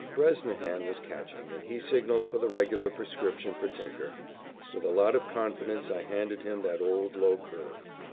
Bresnahan was catching, and he signalled for the regular prescription for Tinker. With a lot of confidence I handed him that old low curve.